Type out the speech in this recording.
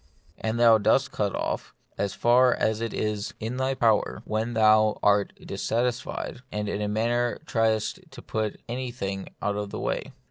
And thou dost cut off, as far as it is The Mystery of Pain. J$ in thy power, when thou art dissatisfied, and in a manner triest to put anything out of the way.